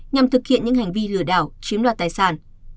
nhằm thực hiện những hành vi lừa đảo chiếm đoạt tài sản